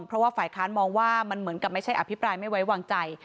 เพราะว่าฝ่ายค้านมองว่ามันเหมือนกับไม่ใช่อภิปรายไม่ไว้วางใจ